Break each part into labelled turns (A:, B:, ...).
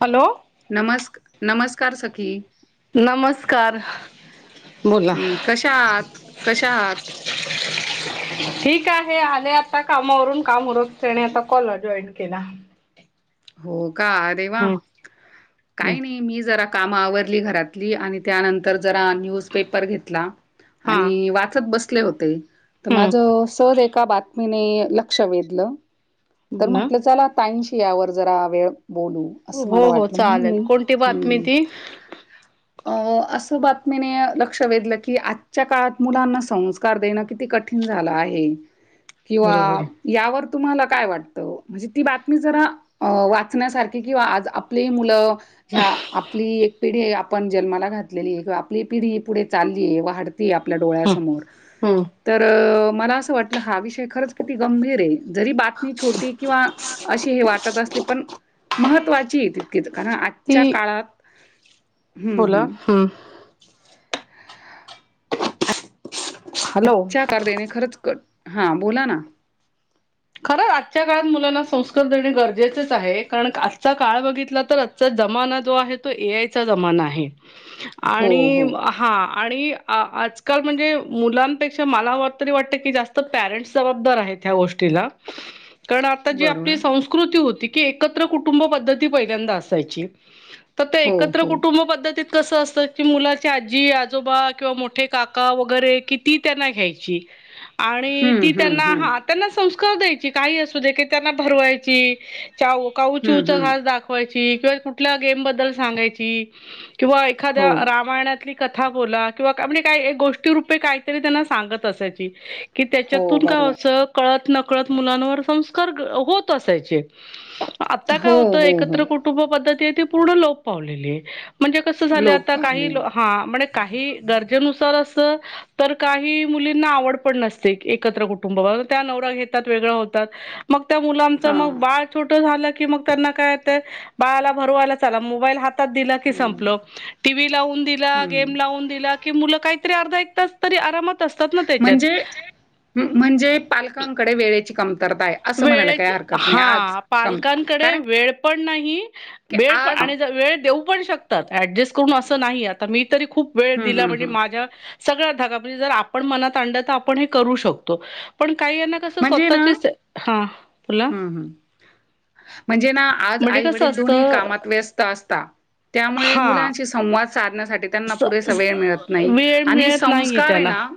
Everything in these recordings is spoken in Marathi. A: हॅलो
B: नमस् नमस्कार सखी,
A: नमस्कार. बोला
B: हम्म कशा आहात कशा आहात.
A: हे आले आता कामावरून काम उरकते आणि आता कॉल जॉईन केला.
B: हो का देवा
A: हम्म
B: काही नाही मी जरा काम आवरली घरातली आणि त्यानंतर जरा न्यूजपेपर घेतला.
A: हा
B: आणि वाचत बसले होते तर माझ
A: हम्म
B: सर एक एका बातमीने लक्ष वेधलं तर
A: बोला
B: म्हटलं चला ताईंशी यावर जरा वेळ बोलू असं
A: हो
B: मला
A: हो
B: वाटलं म्हणून
A: चालेल
B: मी
A: कोणती बातमी
B: हम्
A: ती
B: अ असं बातमीने लक्ष वेधलं की आजच्या काळात मुलांना संस्कार देणं किती कठीण झाला आहे किंवा
A: बरोबर आहे.
B: यावर तुम्हाला काय वाट त म्हणजे ती बातमी जरा अ वाचण्यासारखी किंवा आज आपलेही मुलं ह्या आपली एक पिढी आपण जन्माला घातलेली ये किंवा आपली पिढी पुढे चालली ये वाढ ती आपल्या
A: हम्म
B: डोळ्यासमोर
A: हम्म
B: तर मला असं वाटलं हा विषय खरंच किती गंभीर ये जरी बातमी ती किंवा अशी हे वाटत असली पण महत्त्वाची तितकीच कारण आजच्या
A: ती
B: काळात
A: बोला हम्म हॅलो
B: अच्छाकार देणे खरच क हां बोला ना
A: खरं आजच्या काळात मुलांना संस्कार देणे गरजेचेच आहे कारण आजचा काळ बघितला तर आजचं जमाना जो आहे तो ए आय जमाना आहे
B: हो
A: आणि
B: हो
A: हा आणि आ आजकाल म्हणजे मुलांपेक्षा मला तरी वाटतं की जास्त पॅरेंट्स जबाबदार आहेत. त्या गोष्टीला कारण आता जी आपली
B: बरोबर
A: संस्कृती होती की, एकत्र कुटुंब पद्धती पहिल्यांदा असायची. त ते
B: हो
A: एकत्र
B: हो
A: कुटुंब पद्धतीत कसं अस त मुलाची आजी आजोबा किंवा मोठे काका वगैरे किती त्यांना घ्यायची. आणि
B: हम्म
A: ती
B: हम्म
A: त्यांना
B: हम्म
A: हा त्यांना संस्कार द्यायची काही असू दे की त्यांना भरवायची चाऊ काऊ
B: हम्म
A: चिवचा
B: हम्म
A: घास दाखवायची किंवा कुठल्या गेम बद्दल सांगायची किंवा एखाद्या
B: हो,
A: रामायणातली कथा बोला किंवा काय म्हणजे काय गोष्टी रूपे काहीतरी त्यांना सांगत असायची. कि
B: हो
A: त्याच्यातून का
B: बरोबर.
A: असं कळत न कळत मुलांवर संस्कार ग होत असायचे. आता काय
B: हो,
A: होतं
B: हो,
A: एकत्र
B: हो.
A: कुटुंब पद्धती आहे ती पूर्ण लोप पावलेली आहे. म्हणजे कसं झालंय
B: लोप
A: आता काही
B: पावले.
A: हा म्हणे काही गरजेनुसार अस तर काही मुलींना आवड पण नसते एकत्र कुटुंबावा त्या नवरा घेतात वेगळ होतात मग त्या मुलाचं
B: हां.
A: मग बाळ छोटं झालं की मग त्यांना कायतर बाळाला भरवायला चला मोबाईल हात तात दिला की
B: हं,
A: संपल टीव्ही लावून दिला,
B: हं.
A: गेम लावून दिला मूल काय तरी अर्धा एक तास तरी आरामात असतात ना त्याच्यात
B: म्हणजे म्हणजे पालकांकडे वेळेची कम
A: वेळेची हा
B: कम
A: पालकांकडे
B: कारण
A: वेळ पण नाही
B: की
A: वेळ प
B: आज
A: आणि वेळ देऊ पण शकतात ऍडजस्ट करून असं नाही आता मी तरी खूप वेळ
B: हं,
A: दिला
B: हं,
A: म्हणजे
B: हं.
A: माझ्या सगळ्या धागा म्हणजे जर आपण मनात आणलं तर आपण हे करू शकतो पण काही यांना कस
B: म्हणजे ना
A: स्वतःचेचं हा बोला
B: हं, हं. म्हणजे ना आज
A: म्हणजे
B: आई
A: कसं
B: वडील दोन्ही
A: असतं
B: कामात व्यस्त असता त्यामुळे
A: हा
B: मुलांशी संवाद साधण्यासाठी त्यांना
A: स
B: पुरेसा
A: स
B: वेळ मिळत नाही.
A: वेळ
B: आणि
A: मिळत नाहीये
B: संस्कार ये
A: त्यांना
B: ना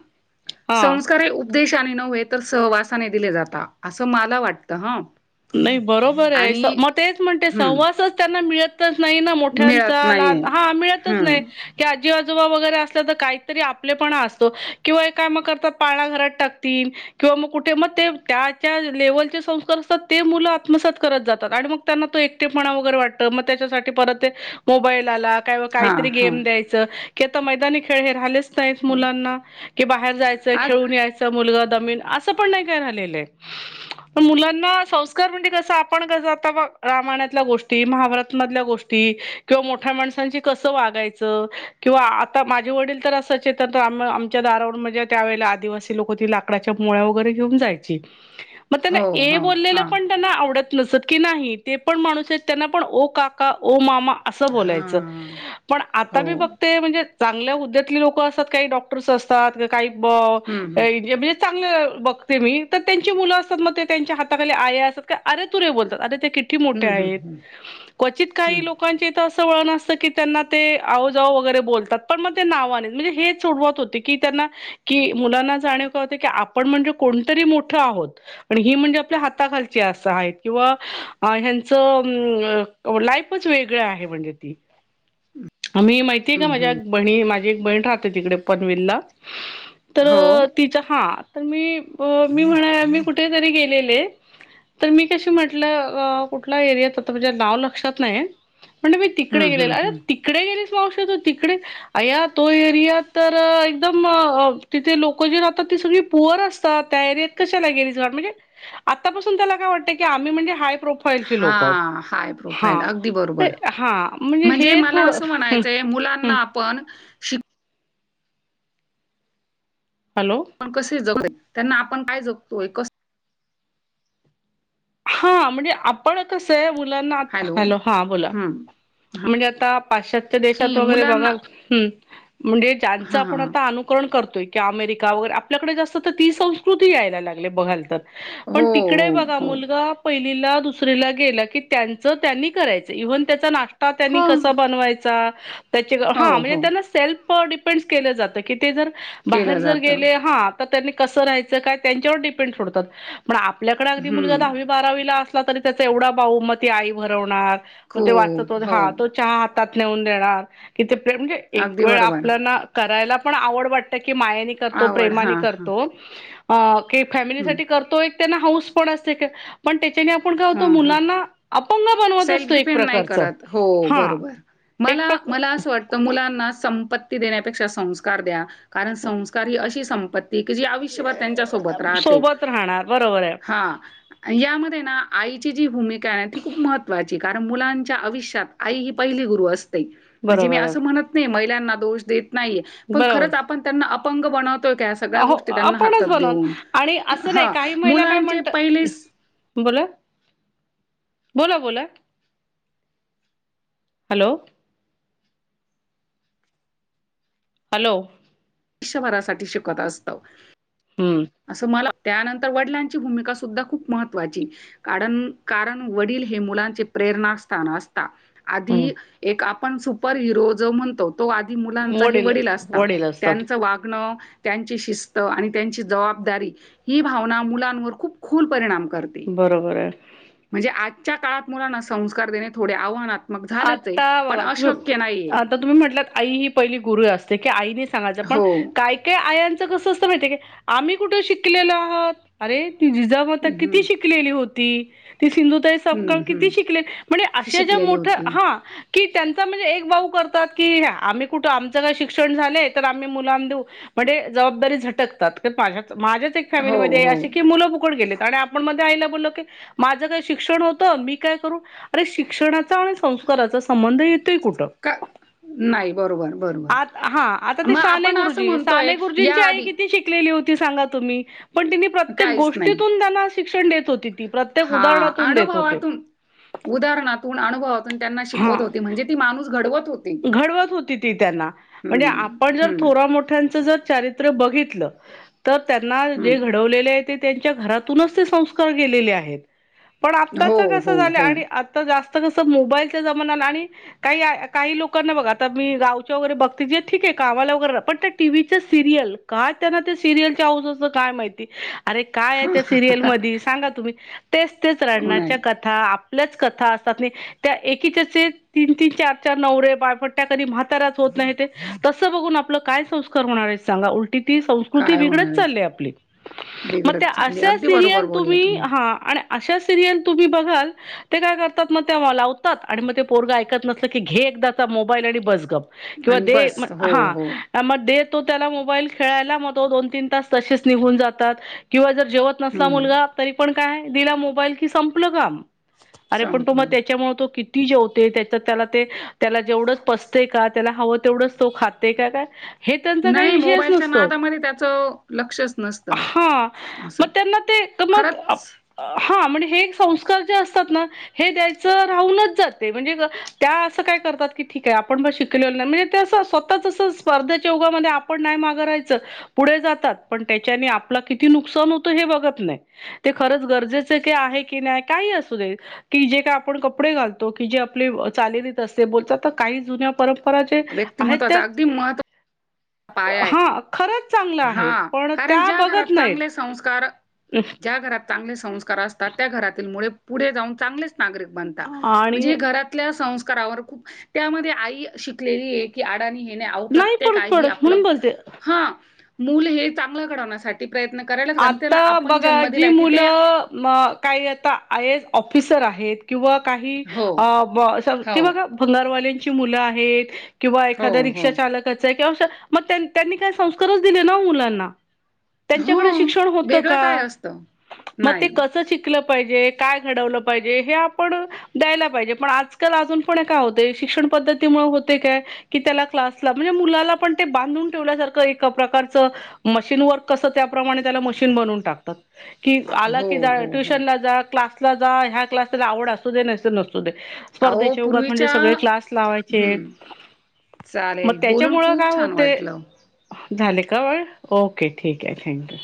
A: हा
B: संस्कार हे उपदेशाने नव्हे तर सहवासाने दिले जाता असं माला वाटतं हं
A: नाही बरोबर ये
B: आणि
A: म तेच म्हणते
B: हं,
A: सहवासच त्यांना मिळत तच नाही ना
B: मिळत
A: मोठ्यांचा
B: नाहीये.
A: लहा हा मिळतच
B: हं,
A: नाही की आ जीआजोबा वगैरे असल्या तर काहीतरी आपले पणा असतो किंवा हे काय मग करतात पाळाणाघरात टाकतील. किंवा मग कुठे मग ते त्याच्या लेवलचे संस्कार असतात ते मुलं आत्मसात करत जातात आणि मग त्यांना तो एकटेपणा वगैरे वाटत मग त्याच्यासाठी परत ते मोबाईल झाला काय म
B: हां,
A: कायतरी
B: हां.
A: गेम द्यायच की आता मैदानी खेळ हे राहलेच नाय मुलांना की बाहेर जायचं
B: आज
A: खेळून यायचं मुलगा दमेल असं पण नाय काय राहिलेलंय. पण मुलांना संस्कार म्हणजे कस आपण कस आता ब रामायणातल्या गोष्टी महाभारतमधल्या गोष्टी किंवा मोठा माणसांची कसं वागायच किंवा आता माझे वडील तर असचे तर आम आमच्या दारावरून म्हणजे त्यावेळेला आदिवासी लोक ती लाकडाच्या मुळ्या वगैरे घेऊन जायची. मग त्यांना
B: हो,
A: ए
B: हो.
A: बोललेलं
B: हां,
A: पण त्यांना आवडत नस की नाही ते पण माणूस आहेत त्यांना पण ओ काका ओ मा अस बोलायच
B: हां.
A: पण
B: हो.
A: आता मी बघते म्हणजे, चांगल्या हुद्यातली लोकं असतात, काही डॉक्टर्स असतात, काहीज
B: हं, हं.
A: म्हणजे चांगलं बघते मी तर त्यांची मुलं असतात मग ते त्यांच्या हाताखाली आया असत का अरे तुरे बोलतात अरे किती मोठे
B: हं, हं,
A: आहेत,
B: हं.
A: कवचित
B: हं,
A: काही लोक त की त्यांना ते आओजऊ वगैरे बोलतात पण मग ते नावाने म्हणजे हे सोडवत होते की कि मुलांना जाणीव राहूदे कि आपण म्हणजे कोणी तरी मोठं आहोत. खाल अस आहेत किंवा ह्यांच लाईफच वेगळ आहे म्हणजे ती
B: [unintelligible]
A: आ मी माहितीये का
B: हं,
A: माझ्या
B: हं.
A: बहिणी माझी एक बहीण राहते तिकडे पनवेलला, तर
B: हो.
A: तिच हा तर मी मी म्हणा मी कुठेेतरी गेलेले, तर मी कशी म्हटलं कुठल्या एरियात आता म्हणजे नाव लक्षात नाही. म्हणे मी तिकडे
B: हं, हं,
A: गेलेला अरे
B: हं.
A: तिकडे गेली मावशी तिकडे अ तो एरिया तर एकदम तिथे लोक जे राहतात ती सगळी बोर असतात, त्या एरियात कशाला गेली आतापासून त्याला काय वाटतं कि आम्ही म्हणजे प्रोफाईलछे लोक
B: हां, हाय
A: ह
B: प्रोफाईल. अगदी बरोबर.
A: हा म्हणजे हे
B: मला
A: थोड
B: असं म्हणायचंय मुलांना आपण
A: हॅलो
B: आपण कसे जगते, त्यांना आपण काय जगतोय, कस
A: हा म्हणजे आपण कसं आहे मुलांना हॅलो हा बोला.
B: हं.
A: म्हणजे आता पाश्चातच्या देशात
B: की
A: वगैरे
B: मुलांना
A: बघाल ह् म्हणजे ज्यांचं
B: हां, हां,
A: आपण
B: हां.
A: आता अनुकरण करतोय. कि अमेरिका वगैरे आपल्याकडे जास्त तर ती संस्कृती यायला लागले बघाल तर.
B: हो,
A: पण तिकडे बघा
B: हो, हो.
A: मुलग पहिला दुसरीला गेलं की त्यांच त्यांनी करायचं इव्हन त्याचा नाश त्यांनी
B: हो,
A: कस बनवायचा, त्याची
B: हो,
A: म्हणजे
B: हो.
A: हा सेल्फ डिपेंड्स केल जात कि ते जर बाहेर
B: केलं
A: जर
B: जातं.
A: गेले ह तर त्यांनी कस राहायचं काय त्यांच्यावर डिपेंड सोडतात. पण आपल्याकडे अगदी मुलगा
B: हं.
A: दहावी, बारावीला असला तरी त्याचा एवढा बाऊ म ती आई बनवणार, मग ते वाचत
B: खूप
A: वगैरे
B: हो
A: हा तो चहा हातेऊून देणार किते प्रे म्हणजे
B: अगदी
A: एक वेळ
B: बरोबर
A: आपल्याना करायला पण आवड वाटते. की मायानी करतो,
B: आवड
A: प्रेमानी
B: हां, हां.
A: करतो,
B: हं,
A: फॅमिलीसाठी करतोय त्यांना हऊस पण असते पण आपन काय होत,
B: हां, हां.
A: मुलांना अपंग बनवत
B: सेल्फ
A: असतो एक
B: डिपेंड नाही
A: प्रकारच
B: करत. हो,
A: हा
B: बरोबर.
A: एक प्रक
B: मला अस वाटत मुलांना ती देण्यापेक्षा संस्कार द्या, कारण संस्कार ही अशी सपंती क जी आयुष्यभर त्यांच्या सोबत राहते,
A: सोबत राहणार बरोबर आहे
B: हा. यामध्ये ना आईची जी भूमिका आहे, ती खूप महत्त्वाची, कारण मुलांच्या आविष्यात आई ही पहिली गुरु अस म्हणजे मी
A: बरोबर
B: असं
A: आहे
B: म्हणत नाही, महिलांना दोष देत नाही, पण
A: बरोबर
B: खरंच आपण त्यांना अपंग बनवत सगळ्या
A: हो
B: गोष्टी त्यांना
A: आपणच
B: हातात
A: बनव
B: देऊन,
A: आणि असं नाही
B: ह
A: काही महिला काय
B: मुलांचे
A: म्हणतात
B: पहिले
A: बोला. बोला बोला. हॅलो. हॅलो.
B: युष्यभरासाठी शिकत असतं.
A: हम्म
B: असं मला त्यानंतर वडिलांची भूमिका सुद्धा खूप महत्त्वाची, कारण कारण वडील हे मुलांचे प्र रणास्थान असतात, आधी
A: हम्म
B: एक आपण सुपर हिरो जो म्हणतो तो आधी मुलांचा हे वडील असता,
A: वडील असतात
B: त्यांच वागणं, त्यांची शिस्त, आणि त्यांची जबाब दारी ही भावना मुलांवर खूप खुल परिणाम करते
A: बरोबर आहे
B: म्हणजे आजच्या काळात मुलांना संस्कार देणे थोडे आव्हना
A: आता [unintelligible] आता तुम्ही म्हटलात आई ही पहिली गुरु असते की आईने सांगायचं पण
B: हो.
A: काय काय आयांचं कसं अस माहितीय आम्ही कुठं शिकलेलो आहात. अरे ती जिजामाता
B: हं,
A: किती
B: हं.
A: शिकलेली होती? ती सिंधुताई सवकाळ
B: हं, हं.
A: किती शिकले म्हणजे
B: ती
A: अशा ज्या
B: शिकलेली
A: मोठ्या
B: होती
A: हा की त्यांचा म्हणजे एक भाऊ करतात की, आम्ही कुठं, आमचं काय शिक्षण झाले तर आम्ही मुलांना देऊ म्हणजे जबाबदारी झटकतात माझ्या माझ्याच एक
B: हो
A: फॅमिलीमध्ये
B: हो
A: असशी की मुलं बकड गेले आणि आपण मध्ये आईला बोलल की, माझं काय शिक्षण होतं, मी काय करू? अरे शिक्षणाचा संस्काराचा संबंध येत
B: का नाही बरोबर बरोबर
A: आ हा आता ते
B: मग
A: साने
B: आपण असं
A: गुरुजी
B: म्हणतोय
A: साने
B: या
A: गुरुजींची आई
B: आधी
A: किती शिकलेली होती सांगा तुम्ही. पण तिनी प्रत्येक
B: काहीच नाही
A: गोष्टीतून त्यांना शिक्षण देत होती. ती प्रत्येक
B: हा
A: उदाहरणातून देत होते.
B: अनुभवातून उदाहरणातून अनुभवात त्यांना
A: हा
B: शिकवत होते. म्हणजे ती माणूस घडवत हो
A: घडवत होती ती त्यांना. म्हणजे
B: हम्म
A: आपण जर
B: हम्म
A: थोरामोठ्यांच जर चारी रित्र बघितल तर त्यांना जे
B: हम्म
A: घडवले ते त्यांच्या घरातूनच ते संस्कार गेलेले आहेत. पण आताच
B: हो
A: कस
B: हो
A: झालं
B: हो
A: आणि आता जा कस मोबाईलच्या जमाना्याला आणि काही काही लोकांना बघा आता मी गावच्या वगैरे बघते ज ठीक आहे कामा वगर पण टीव्हीचं सिरियल का त्यांना ते सिरियलच्या औजच काय माहिती. अरे काय आहे
B: हा,
A: त्या
B: हा.
A: सिरियल मध्ये सांगा तुम्ही तेच तेच
B: हो
A: रडण्याच्या
B: नाही
A: कथा आपल्याच कथा असतात त्या एकीच्याचे तीन तीन चार ते नवरे बायपट्ट्या कधी म्हातऱ्यात होत नाही ते तस बघून आपलं काय संस्कार होणार हे सांगा ती संस्कृती
B: काय
A: बिघडत
B: होणार
A: चालली आपली. म ते
B: बिघडत चालली
A: आशा
B: अगदी बरोबर
A: सिरीयल
B: बोलले
A: तुम्ही हा आशा सिरियल तुम्ही बघाल ते काय करतात मग त्या लावतात आणि मग ते पोरग ऐकत नस की घे एकदा मोबाईल आणि बस गप किंवा
B: आणि
A: दे
B: बस हो हो
A: हा मग त्याला मोबाईल खेळायला. म तो दोन तीन तास तसेच निघून जातात. जेवत नसला
B: हम्म
A: मुलगा, तरी पण काय, दिला मोबाईल कि संपलं काम अरे पण तो मग
B: संपलं
A: त्याच्यामुळे तो किती जेवते त्याच्या त्याला ते त्याला जेवढंच पसते का त्याला हवं तेवढंच तो खाते का काय हे त्यांचा काही
B: नाही
A: विषयच
B: मोबाईलच्या
A: नसतो.
B: नादामध्ये त्याचं लक्षच नसतं
A: हा मग
B: असं
A: त्यांना ते मग
B: खरंच
A: हा हे संस्कार जे असतात ना हे द्यायच राहूनच जाते म्हणजे त्या असं काय करतात की ठीक आहे आपण ब शिकले नाही म्हणजे त्यां स्वतःच असं स्पर्धेच्या युगामध्ये आपण नाही मग राहायचं पुढे जातात पण त्याच्याने आपल किती नुकसान होत हे बघत नाही ते खरं गरजेचे की आहे की नाही काहीही असुदे की जे काय आपण कपडे घालतो की जे आपले चालली असते बोलतात तर काही जुन्या परंपरा जे आहेत त्या
B: व्यक्तिमत्वाचा अगदी महत्वाचा
A: हा खर
B: हा कारण ज्या घरात
A: नाहीत
B: चांगले संस्कार ज्या घरात चांगले संस्कार असतात त्या घरातील मु पुढे जाऊन चांगलेच ब
A: आणि
B: म्हण घरातल्या खप त्या आई शिकलेली आहे की अड
A: नाही परत
B: प्र्ये
A: पडत
B: आपलं
A: म्हणून बोलते
B: ह चांगण्या
A: आता बघा जी
B: की ते
A: मुलं काय आता िसर आहेत किंवा काही
B: हो, हो,
A: बघा भंगारवाल्या किंवा
B: हो, हो.
A: एखािका चालक क मग त्यांनी काही संस्कारच दिले ना मुलांना
B: हो,
A: शिक्षण होत
B: वेगळं
A: का
B: काय असतं?
A: मग ते
B: नाही.
A: कस श काय घड पाजे आपण द्यायला पाहिजे पण आजल अजय हो श्षण पती हो काय क त्या क्लासला म्हणजे मु पण बांधून ठेवल्याार प्रकार मशीन वर कस त्याप्रमाणे प्रमाणे त्याला मशीन बनवून टाकतात. की आला
B: हो,
A: की
B: हो, हो.
A: ट्युशनला जा क्लास जा ह्या कलासला आवड असू दे नसु
B: अहो
A: स्पर्धेच्या युगात म्हणजे सगळे
B: पूर्वीच्या
A: क्लास लावायचे.
B: हं,
A: मग
B: चालेल. बोलून
A: त्याच्यामुळ काय
B: खूप छान
A: होतय
B: वाटलं.
A: झाले का वळ ओके, ठीक आहे, थँक्यू.